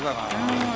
うん。